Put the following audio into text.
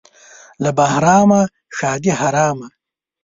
له بهرامه ښادي حرامه.